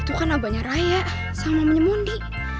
itu kan nabanya raya sama menyemundi